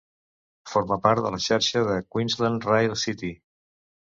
Forma part de la xarxa de Queensland Rail City.